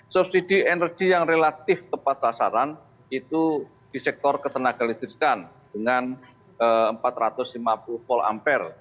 subsidi energi yang relatif tepat sasaran itu di sektor ketenaga listrikan dengan empat ratus lima puluh volt ampere